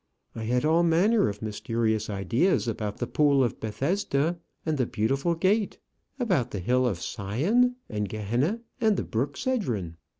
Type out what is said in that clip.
I had all manner of mysterious ideas about the pool of Bethesda and the beautiful gate, about the hill of Sion, and Gehenna, and the brook Cedron.